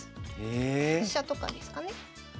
ええ⁉飛車とかですかね。